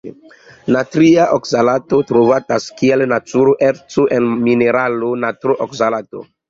Natria okzalato trovatas kiel natura erco en la mineralo natrokzalato.